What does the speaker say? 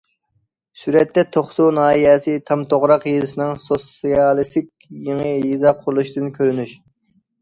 سۈرەتتە: توقسۇ ناھىيەسى تامتوغراق يېزىسىنىڭ سوتسىيالىستىك يېڭى يېزا قورۇلۇشىدىن كۆرۈنۈش.